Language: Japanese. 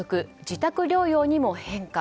自宅療養にも変化。